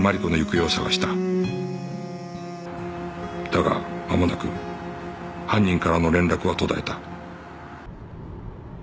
だが間もなく犯人からの連絡は途絶えた